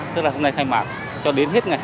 tức là hôm nay khai mạc cho đến hết ngày hai mươi